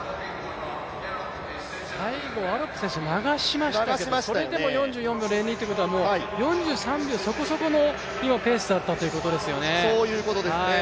最後、アロップ選手、流しましたけど、それでも４４秒０２ということは４３秒そこそこの今、ペースだったということですよね。